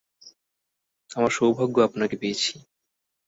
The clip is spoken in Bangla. আমার সৌভাগ্য আপনাকে পেয়েছি।